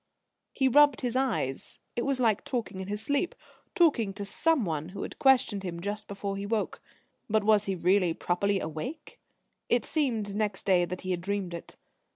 He rubbed his eyes. It was like talking in his sleep, talking to Someone who had questioned him just before he woke. But was he really properly awake? It seemed next day that he had dreamed it.